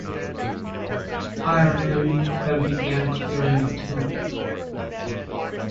Ayrton then began clearing the tomb.